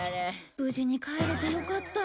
無事に帰れてよかった。